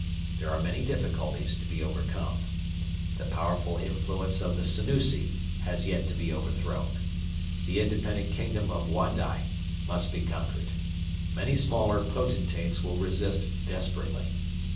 There are many difficulties to be overcome. The powerful influence of the Senussi has yet to be overthrown. The independent kingdom of Wadai must be conquered. Many smaller potentates will resist desperately.